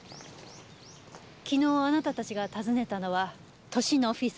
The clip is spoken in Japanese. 昨日あなたたちが訪ねたのは都心のオフィスビル。